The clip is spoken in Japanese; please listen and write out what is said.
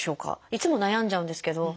いつも悩んじゃうんですけど。